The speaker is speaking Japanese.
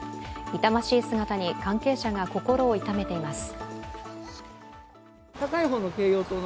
痛ましい姿に関係者が心を痛めています。